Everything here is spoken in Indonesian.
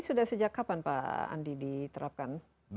sudah sejak kapan pak andi diterapkan